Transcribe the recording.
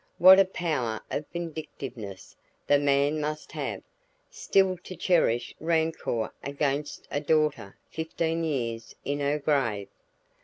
What a power of vindictiveness the man must have, still to cherish rancour against a daughter fifteen years in her grave!